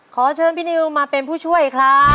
ขอเชิญพี่นิวมาเป็นผู้ช่วยครับ